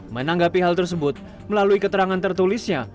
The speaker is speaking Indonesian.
menanggapi hal tersebut melalui keterangan tertulisnya